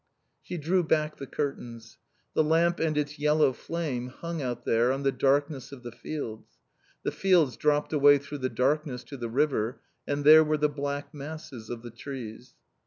She drew back the curtains. The lamp and its yellow flame hung out there on the darkness of the fields. The fields dropped away through the darkness to the river, and there were the black masses of the trees.